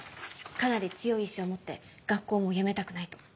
かなり強い意志を持って学校もやめたくないと。